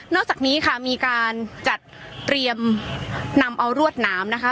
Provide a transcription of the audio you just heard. จากนี้ค่ะมีการจัดเตรียมนำเอารวดหนามนะคะ